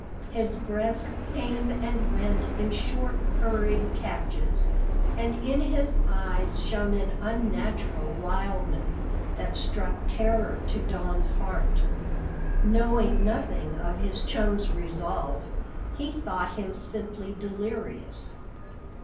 His breath came and went in short, hurried catches, and in his eyes shone an unnatural wildness that struck terror to Don's heart. Knowing nothing of his chum's resolve, he thought him simply delirious.